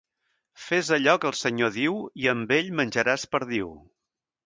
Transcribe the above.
Fes allò que el senyor diu, i amb ell menjaràs perdiu.